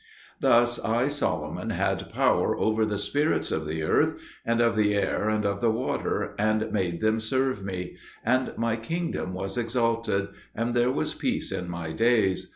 Thus I, Solomon, had power over the spirits of the earth, and of the air, and of the water, and made them serve me; and my kingdom was exalted, and there was peace in my days.